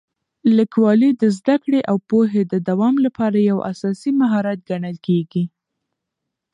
لیکوالی د زده کړې او پوهې د دوام لپاره یو اساسي مهارت ګڼل کېږي.